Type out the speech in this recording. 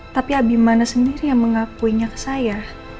tapi abi mana sendiri yang mengakuinya ke saya